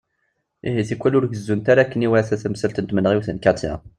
Ihi, tikwal ur gezzunt ara akken iwata tamsalt n tmenɣiwt n Katiya.